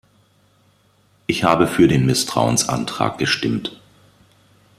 Ich habe für den Misstrauensantrag gestimmt.